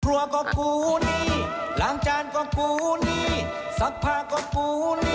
กลัวก็กูนี่ล้างจานก็กูนี่สักผ้าก็กูนี่